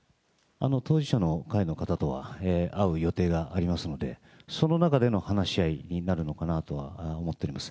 当事者の会の方とは会う予定がありますので、その中での話し合いになるのかなとは思っております。